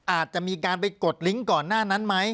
อาจจะมีการไปกดลิงก์ก่อนหน้านั้นไหม